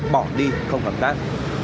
bỏ đi không hợp tác